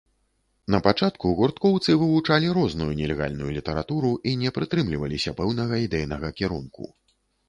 Напачатку гурткоўцы вывучалі розную нелегальную літаратуру і не прытрымліваліся пэўнага ідэйнага кірунку.